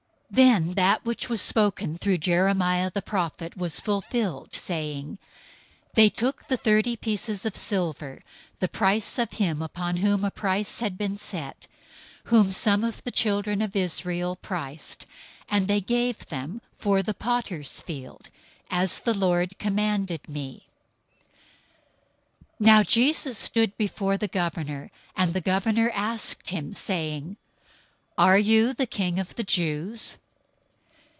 027:009 Then that which was spoken through Jeremiah{some manuscripts omit "Jeremaiah"} the prophet was fulfilled, saying, "They took the thirty pieces of silver, the price of him upon whom a price had been set, whom some of the children of Israel priced, 027:010 and they gave them for the potter's field, as the Lord commanded me."{Zechariah 11:12 13; Jeremiah 19:1 13; 32:6 9} 027:011 Now Jesus stood before the governor: and the governor asked him, saying, "Are you the King of the Jews?"